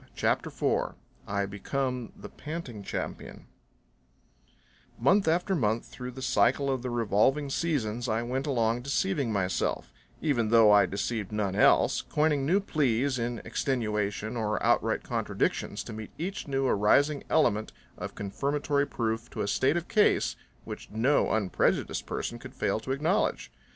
CHAPTER IV I Become The Panting Champion Month after month, through the cycle of the revolving seasons, I went along deceiving myself, even though I deceived none else, coining new pleas in extenuation or outright contradictions to meet each new arising element of confirmatory proof to a state of case which no unprejudiced person could fail to acknowledge.